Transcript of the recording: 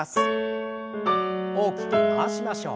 大きく回しましょう。